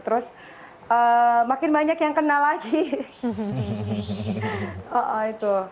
terus makin banyak yang kenal lagi